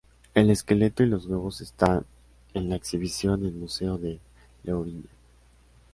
El esqueleto y los huevos están en la exhibición en Museo de Lourinhã.